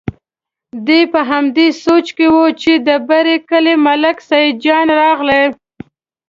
دی په همدې سوچ کې و چې د بر کلي ملک سیدجان راغی.